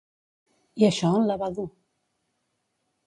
I això on la va dur?